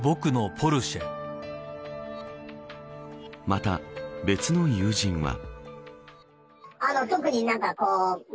また、別の友人は。